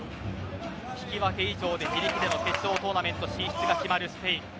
引き分け以上で自力での決勝トーナメント進出が決まるスペイン。